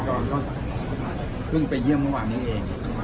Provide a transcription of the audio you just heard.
ก็เพิ่งไปเยี่ยมเมื่อวานนี้เอง